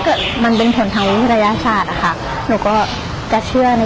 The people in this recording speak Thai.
อ๋อถ้ามันเป็นผลธวิธรยศาดอะคะหนูก็จะเชื่อใน